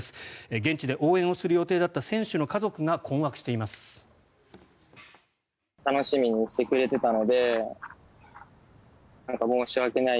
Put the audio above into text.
現地で応援をする予定だった選手の家族が困惑しています。